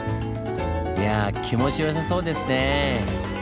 いやぁ気持ちよさそうですねぇ。